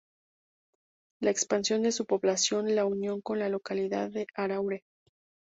La expansión de su población la unió con la localidad de Araure.